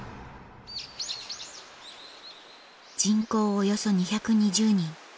およそ２２０人